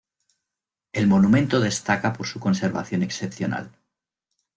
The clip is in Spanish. El monumento destaca por su conservación excepcional.